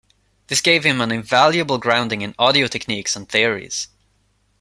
This gave him an invaluable grounding in audio techniques and theories.